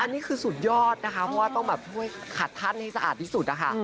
อันนี้คือสุดยอดนะคะเพราะต้องแบบขาดพันข์ให้สะอาดที่สุดนะคะ